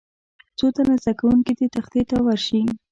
څو تنه زده کوونکي دې تختې ته ورشي.